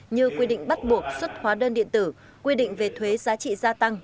như quy định bắt buộc xuất hóa đơn điện tử quy định về thuế giá trị gia tăng